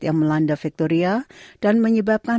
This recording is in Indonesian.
yang melanda victorial dan menyebabkan